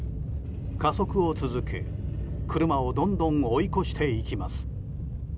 加速を続け、車をどんどん追い越していきます。